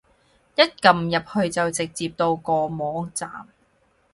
一撳入去就直接到個網站